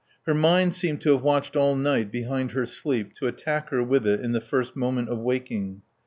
Her mind seemed to have watched all night behind her sleep to attack her with it in the first moment of waking.